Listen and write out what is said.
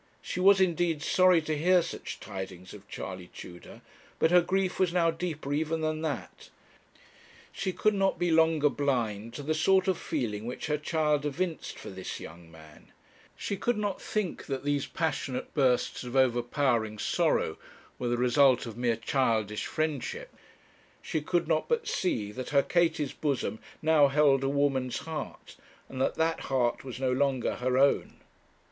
She was indeed sorry to hear such tidings of Charley Tudor; but her grief was now deeper even than that. She could not be longer blind to the sort of feeling which her child evinced for this young man; she could not think that these passionate bursts of overpowering sorrow were the result of mere childish friendship; she could not but see that her Katie's bosom now held a woman's heart, and that that heart was no longer her own.